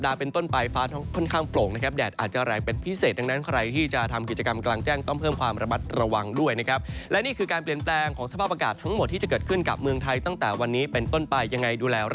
แดดตอนกลางวันค่อนข้างแรง